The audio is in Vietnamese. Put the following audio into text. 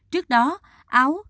trước đó áo